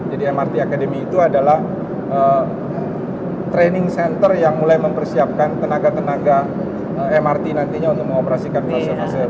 jadi mrt academy itu adalah training center yang mulai mempersiapkan tenaga tenaga mrt nantinya untuk mengoperasikan fase fase berikutnya